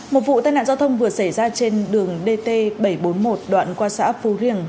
một vụ tai nạn giao thông vừa xảy ra trên đường dt bảy trăm bốn mươi một đoạn qua xã phú riềng